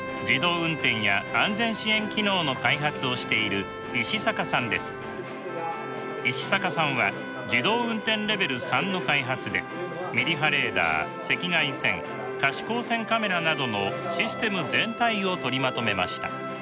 自動運転や安全支援機能の開発をしている石坂さんは自動運転レベル３の開発でミリ波レーダー赤外線可視光線カメラなどのシステム全体を取りまとめました。